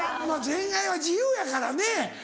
恋愛は自由やからね。